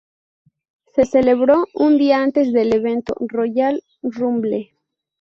Se celebró un día antes del evento Royal Rumble.